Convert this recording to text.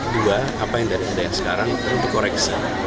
dua apa yang dari yang ada sekarang perlu dikoreksi